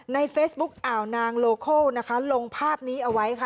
ในเฟซบุ๊กอ่าวนางโลโคนะคะลงภาพนี้เอาไว้ค่ะ